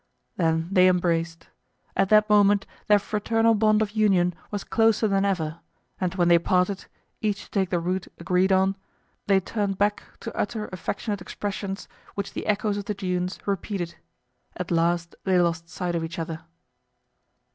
Then they embraced. At that moment their fraternal bond of union was closer than ever, and when they parted, each to take the route agreed on, they turned back to utter affectionate expressions, which the echoes of the Dunes repeated. At last they lost sight of each other.